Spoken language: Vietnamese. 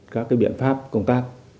các biện pháp công tác